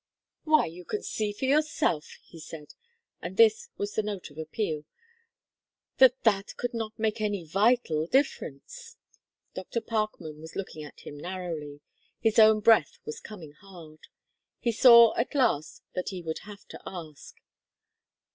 "Why, you can see for yourself," he said and this was the note of appeal "that that could not make any vital difference." Dr. Parkman was looking at him narrowly. His own breath was coming hard. He saw at last that he would have to ask.